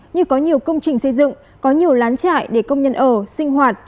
như có nhiều công trình xây dựng có nhiều lán trại để công nhân ở sinh hoạt